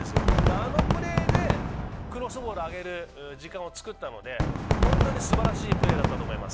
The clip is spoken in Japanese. あのプレーでクロスボールを上げる時間をつくったので本当にすばらしいプレーだったと思います。